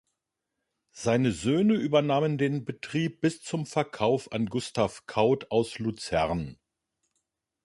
Seine Söhne übernahmen den Betrieb bis zum Verkauf an Gustav Kauth aus Luzern.